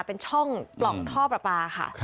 เป็นช่องปล่องท่อประปาค่ะ